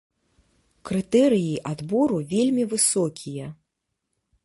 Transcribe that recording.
Крытэрыі адбору вельмі высокія.